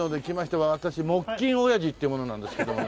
私木琴おやじっていう者なんですけどね。